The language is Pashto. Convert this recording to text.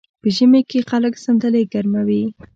په ژمي کې خلک صندلۍ ګرموي.